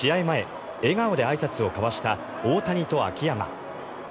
前笑顔であいさつを交わした大谷と秋山。